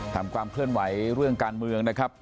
ความเคลื่อนไหวเรื่องการเมืองนะครับ